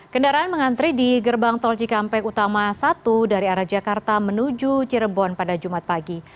kendaraan mengantri di gerbang tol cikampek utama satu dari arah jakarta menuju cirebon pada jumat pagi